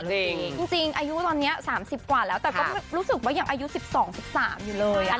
จริงอายุตอนนี้๓๐กว่าแล้วแต่ก็รู้สึกว่ายังอายุ๑๒๑๓อยู่เลย